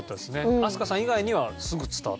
飛鳥さん以外にはすぐ伝わった。